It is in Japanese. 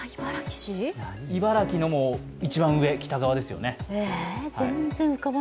茨城の一番上、北側ですよね。